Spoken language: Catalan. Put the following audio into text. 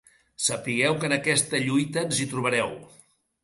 Sapigueu que en aquesta lluita ens hi trobareu.